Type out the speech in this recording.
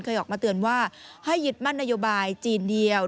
ออกมาเตือนว่าให้ยึดมั่นนโยบายจีนเดียว